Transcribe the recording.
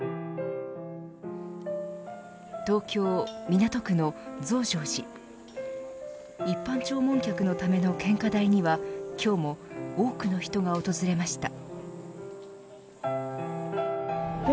東京、港区の増上寺一般弔問客のための献花台には今日も多くの人が訪れました。